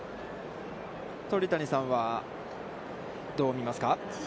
鳥谷さんはどう見ますか。